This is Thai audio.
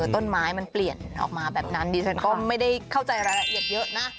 ต้นไม้มันเปลี่ยนออกมาแบบนั้นดิฉันก็ไม่ได้เข้าใจรายละเอียดเยอะนะ